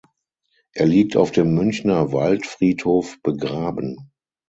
Er liegt auf dem Münchner Waldfriedhof begraben.